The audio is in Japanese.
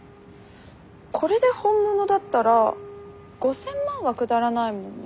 これで本物だったら５，０００万は下らないもんね。